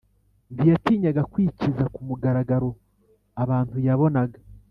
ntiyatinyaga kwikiza ku mugaragaro abantu yabonaga